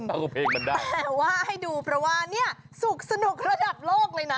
แต่ว่าให้ดูเพราะว่านี่สุขสนุกระดับโลกเลยนะ